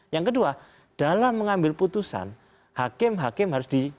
yang kedua dalam mengambil putusan hakim hakim harus di